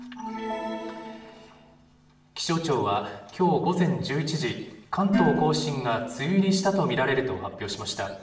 気象庁はきょう午前１１時、関東甲信が梅雨入りしたと見られると発表しました。